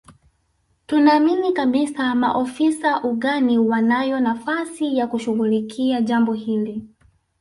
Tunaamini kabisa maofisa ugani wanayo nafasi ya kushughulikia jambo hili